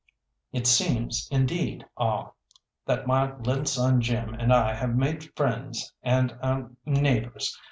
It seems, indeed, ah that my little son Jim and I have made friends and er neighbours.